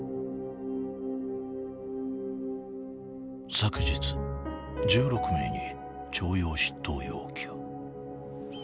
「昨日１６名に徴用出頭要求」。